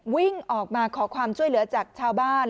วิ่งออกมาขอความช่วยเหลือจากชาวบ้าน